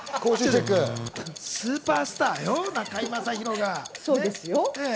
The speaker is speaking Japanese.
スーパースターよ、中居正広は。